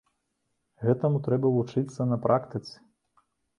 Гэтаму трэба вучыцца на практыцы.